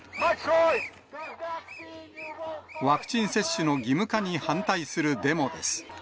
ワクチン接種の義務化に反対するデモです。